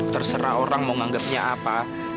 terserah orang mau nganggernya apa